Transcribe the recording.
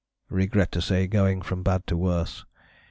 _ Regret to say going from bad to worse.